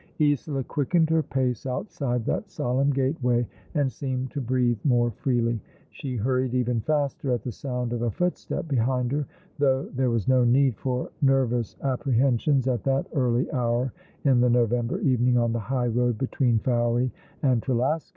Isola quickened her pace outside that solemn gateway, and seemed to breathe more freely. She hurried even faster at the sound of a footstep behind her, though there was no need for nervous apprehensions at that early hour in the November evening on the high road between Fowey and Trelasco.